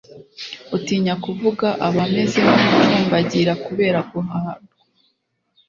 utinya kuvuga aba ameze nk'umucumbagira, kubera guhandwa